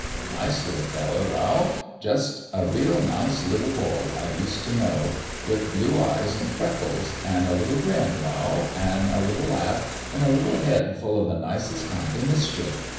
A nice little feller, Rowl jus' a real nice little boy I used t' know with blue eyes an' freckles an' a little grin, Rowl, an' a little laugh, an 1 a little head full o' the nicest kind o' mischief.